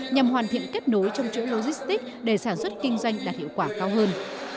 nhằm hoàn thiện kết nối trong chỗ logistic để sản xuất kinh doanh đạt hiệu quả cao hơn